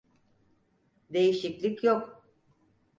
Değişiklik yok.